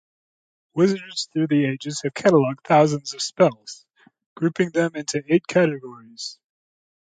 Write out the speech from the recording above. Wizards through the ages have cataloged thousands of spells, grouping them into eight categories